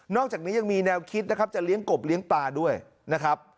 อกจากนี้ยังมีแนวคิดนะครับจะเลี้ยงกบเลี้ยงปลาด้วยนะครับ